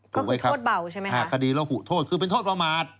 ก็คือโทษเบานะครับคดีระหุโทษคือเป็นโทษปลามารส